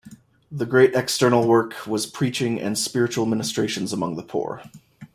The great external work was preaching and spiritual ministrations among the poor.